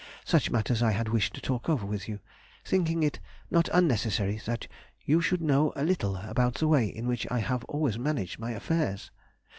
Such matters I had wished to talk over with you, thinking it not unnecessary you should know a little about the way in which I have always managed my affairs.